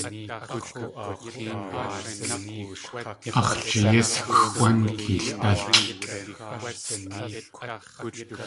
Ax̲ jeeyís xʼwán keeldálʼ!